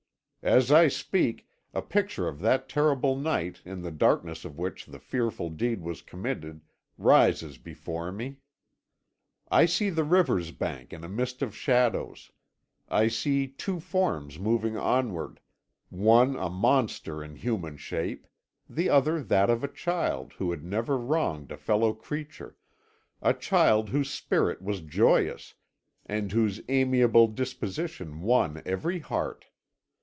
"As I speak, a picture of that terrible night, in the darkness of which the fearful deed was committed, rises before me. "I see the river's bank in a mist of shadows; I see two forms moving onward, one a monster in human shape, the other that of a child who had never wronged a fellow creature, a child whose spirit was joyous and whose amiable disposition won every heart.